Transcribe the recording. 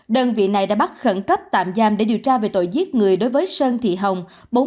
đơn vị này đã bắt khẩn cấp tạm giam để điều tra về tội giết người đối với sơn thị hồng